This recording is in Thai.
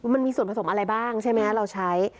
มันมีส่วนผสมอะไรบ้างใช่ไหมเราใช้